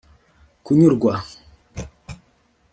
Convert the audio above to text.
kunyurwa